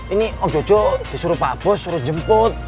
ini om jojo disuruh pak bos suruh jemput